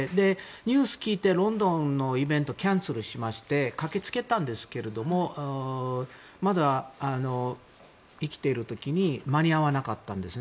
ニュースを聞いてロンドンのイベントをキャンセルして駆け付けたんですけれどもまだ生きている時に間に合わなかったんです。